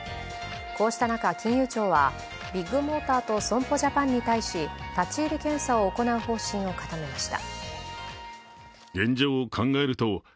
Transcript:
こうした中、金融庁はビッグモーターと損保ジャパンに対し立ち入り検査を行う方針を固めました。